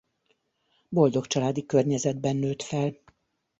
Boldog családi környezetben nőtt fel.